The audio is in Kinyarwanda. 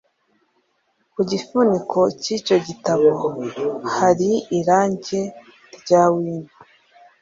ku gifuniko cy'icyo gitabo hari irangi rya wino